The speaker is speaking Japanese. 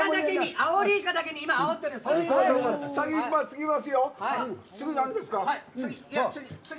アオリイカだけに今、あおってます。